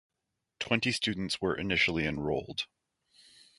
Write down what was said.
Twenty students were initially enrolled.